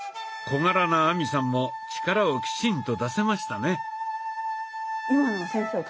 小柄な亜美さんも力をきちんと出せましたね。